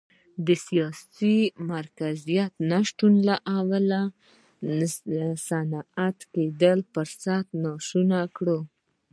د سیاسي مرکزیت نشتوالي صنعتي کېدو فرصتونه ناشو کړل.